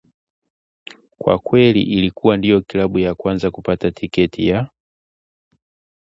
Kwa kweli ilikuwa ndio klabu ya kwanza kupata tiketi ya